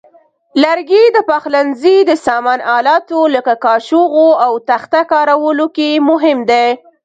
لرګي د پخلنځي د سامان آلاتو لکه کاشوغو او تخته کارولو کې مهم دي.